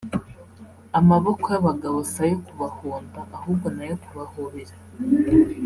amaboko y'abagabo si ayo kubahonda ahubwo ni ayo kubahobera